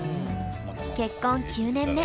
結婚９年目。